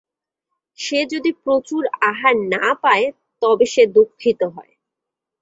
সে যদি প্রচুর আহার না পায়, তবে সে দুঃখিত হয়।